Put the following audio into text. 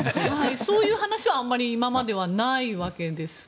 そういう話はあまりないわけですね。